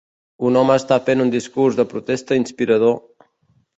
Un home està fent un discurs de protesta inspirador